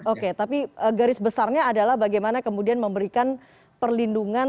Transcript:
oke tapi garis besarnya adalah bagaimana kemudian memberikan perlindungan